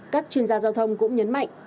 các chuyên gia giao thông cũng nhấn mạnh